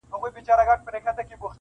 زه شاعر سړی یم بې الفاظو نور څه نلرم,